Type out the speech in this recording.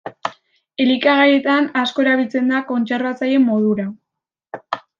Elikagaietan asko erabiltzen da kontserbatzaile modura.